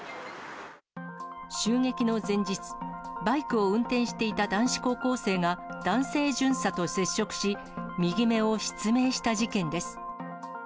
襲撃の前日、バイクを運転していた男子高校生が、男性巡査と接触し、右目を失明した事件です。